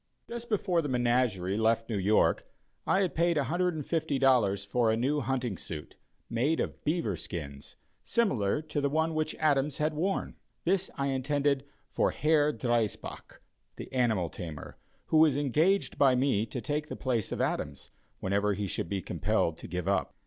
Just before the menagerie left New York, I had paid $150 for a new hunting suit, made of beaver skins, similar to the one which Adams had worn. This I intended for Herr Driesbach, the animal tamer, who was engaged by me to take the place of Adams, whenever he should be compelled to give up.